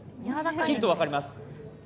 切ると分かります。